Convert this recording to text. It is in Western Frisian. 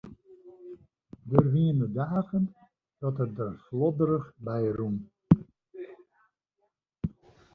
Der wiene dagen dat er der flodderich by rûn.